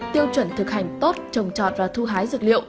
tiêu chuẩn thực hành tốt trồng trọt và thu hái dược liệu